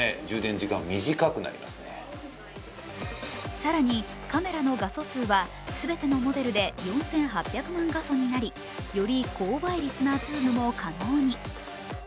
更に、カメラの画素数は全てのモデルで４８００万画素になりより高倍率なズームも可能に。